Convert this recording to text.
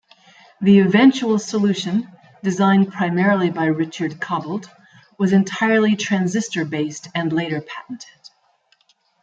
The eventual solution, designed primarily by Richard Cobbald, was entirely transistor-based, and later patented.